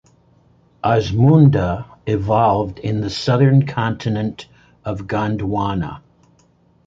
"Osmunda" evolved in the southern continent of Gondwana.